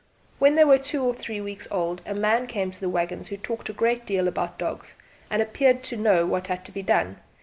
When they were two or three weeks old a man came to the waggons who talked a great deal about dogs, and appeared to know what had to be done.